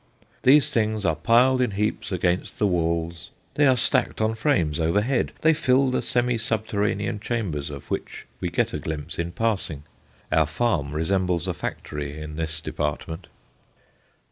These things are piled in heaps against the walls; they are stacked on frames overhead; they fill the semi subterranean chambers of which we get a glimpse in passing. Our farm resembles a factory in this department.